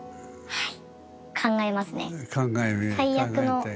はい。